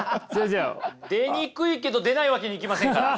出にくいけど出ないわけにいきませんから。